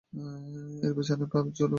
এর পেছনেরটা follow chopper.